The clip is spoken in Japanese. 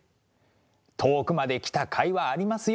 遠くまで来たかいはありますよ！